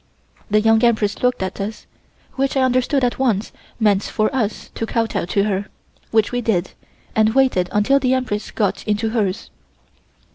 The Young Empress looked at us, which I understood at once was meant for us to kowtow to her, which we did, and waited until the Empress got into hers.